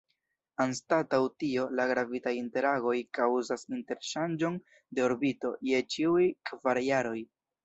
Anstataŭ tio, la gravitaj interagoj kaŭzas interŝanĝon de orbito je ĉiuj kvar jaroj.